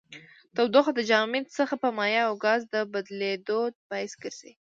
تودوخه د جامد څخه په مایع او ګاز د بدلیدو باعث ګرځي.